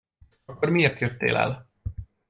Akkor miért jöttél el?